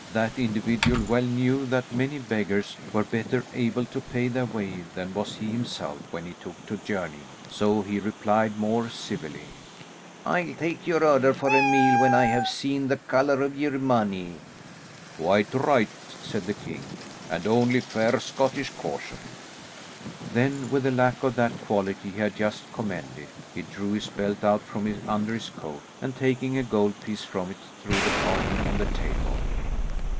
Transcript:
That individual well knew that many beggars were better able to pay their way than was he himself when he took to journeying, so he replied more civilly, "I'll take your order for a meal when I have seen the colour of your money." "Quite right," said the king, "and only fair Scottish caution." Then with a lack of that quality he had just commended, he drew his belt out from under his coat, and taking a gold piece from it, threw the coin on the table.